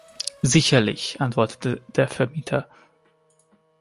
„Sicherlich“, antwortete der Vermieter.